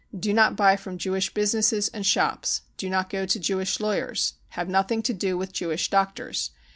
Do not buy from Jewish businesses and shops ! Do not go to Jewish lawyers ! Have nothing to do with Jewish doctors